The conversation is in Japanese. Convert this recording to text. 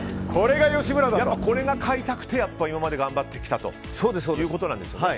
これが買いたくて今まで頑張ってきたということなんですよね。